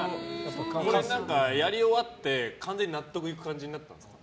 これ、やり終わって完全に納得いく感じになったんですか。